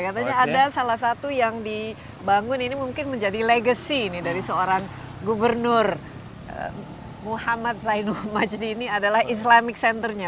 katanya ada salah satu yang dibangun ini mungkin menjadi legacy dari seorang gubernur muhammad zainul majdi ini adalah islamic centernya